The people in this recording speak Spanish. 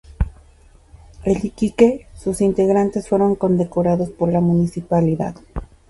En Iquique sus integrantes fueron condecorados por la Municipalidad.